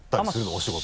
お仕事で。